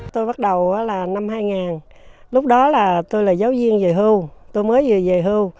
tôi bắt đầu là năm hai nghìn lúc đó là tôi là giáo viên về hưu tôi mới về hưu